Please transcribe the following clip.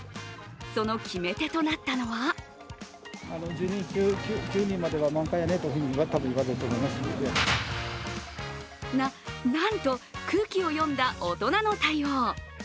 その決め手となったのはな、なんと、空気を読んだ大人の対応。